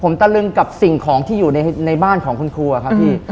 ผมตะลึงกับสิ่งของที่อยู่ในบ้านของคุณครูอะครับพี่